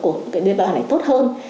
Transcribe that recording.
của cái tế bào này tốt hơn